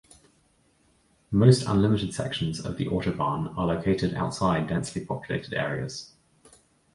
Most unlimited sections of the autobahn are located outside densely populated areas.